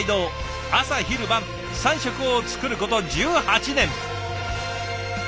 朝昼晩３食を作ること１８年。